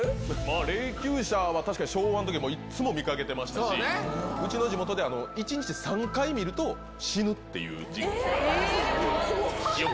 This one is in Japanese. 霊きゅう車は確かに、昭和のときいっつも見かけてましたし、うちの地元では１日３回見ると死ぬっていうジンクスが。